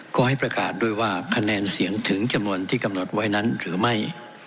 ก็ให้ประกาศด้วยว่าคะแนนเสียงถึงจำนวนที่กำหนดไว้นั้นหรือไม่